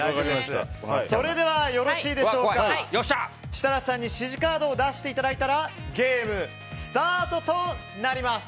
それでは、設楽さんに指示カードを出していただいたらゲームスタートとなります。